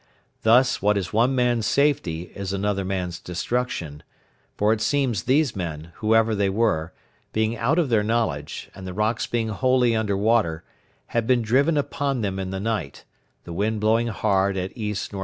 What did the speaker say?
Thus, what is one man's safety is another man's destruction; for it seems these men, whoever they were, being out of their knowledge, and the rocks being wholly under water, had been driven upon them in the night, the wind blowing hard at ENE.